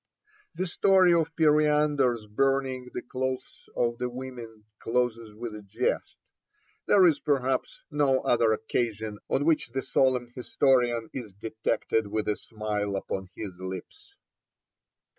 The story of Periander's burning the clothes of the women closes with a jest; there is, perhaps, no other occasion on which the solemn historian is detected with a smile upon his lips.